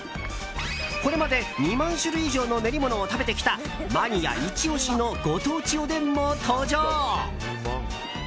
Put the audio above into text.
これまで２万種類以上の練り物を食べてきたマニアイチ押しのご当地おでんも登場。